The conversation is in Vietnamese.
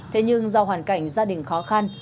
thế nhưng do hoàn cảnh gia đình khó khăn